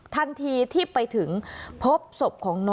ทันทีที่ไปถึงพบศพของน้อง